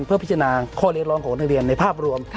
เพื่อพิจารณาข้อเรียกร้องของาศในภาพรวม